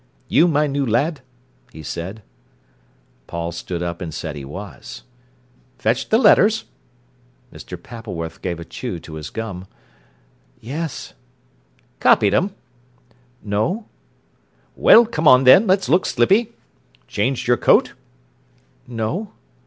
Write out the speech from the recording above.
"You my new lad?" he said. Paul stood up and said he was. "Fetched the letters?" Mr. Pappleworth gave a chew to his gum. "Yes." "Copied 'em?" "No." "Well, come on then, let's look slippy. Changed your coat?" "No."